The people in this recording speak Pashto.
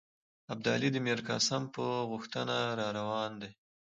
ابدالي د میرقاسم په غوښتنه را روان دی.